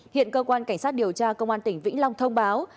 hiện cơ quan cảnh sát điều tra công an tỉnh vĩnh long thông báo